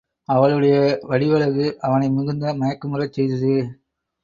அவளுடைய வடிவழகு அவனை மிகுந்த மயக்கமுறச் செய்தது.